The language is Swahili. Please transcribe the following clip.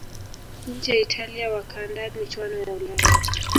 nchi ya italia wakaandaa michuano ya ulaya